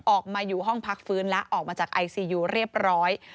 ออกมาอยู่ห้องพักฟื้นแล้วออกมาจากไอซียูเรียบร้อย